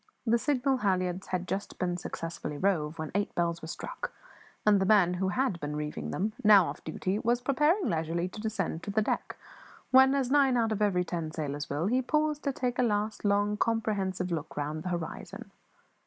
The signal halliards had just been successfully rove when eight bells were struck, and the man who had been reeving them now off duty was preparing leisurely to descend to the deck, when, as nine out of every ten sailors will, he paused to take a last, long, comprehensive look round the horizon.